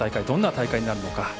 どんな大会になるのか